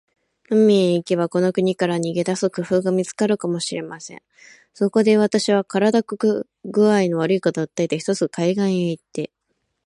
海へ行けば、この国から逃げ出す工夫が見つかるかもしれません。そこで、私は身体工合の悪いことを訴えて、ひとつ海岸へ行って